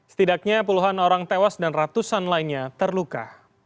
setidaknya puluhan orang tewas dan ratusan lainnya terluka